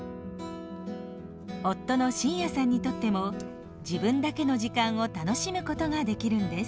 夫の晋哉さんにとっても自分だけの時間を楽しむことができるんです。